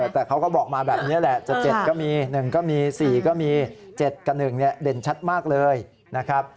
แต่เขาก็บอกมาแบบนี้แหละจะ๗ก็มี๑ก็มี๔ก็มี๗กับ๑เด่นชัดมากเลยนะครับ